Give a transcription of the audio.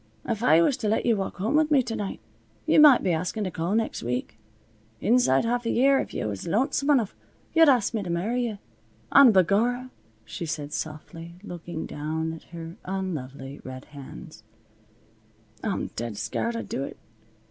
If I was to let you walk home with me to night, yuh might be askin' to call next week. Inside half a year, if yuh was lonesome enough, yuh'd ask me to marry yuh. And b'gorra," she said softly, looking down at her unlovely red hands, "I'm dead scared I'd do it.